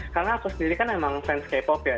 karena aku sendiri kan memang fans k pop ya